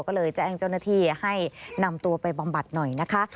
ก็เลยแจ้งเจ้าหน้าที่ให้นำตัวไปบำบัดหน่อยนะคะ